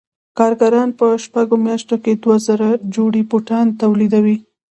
کارګران په شپږو میاشتو کې دوه زره جوړې بوټان تولیدوي